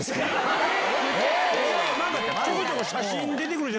ちょこちょこ。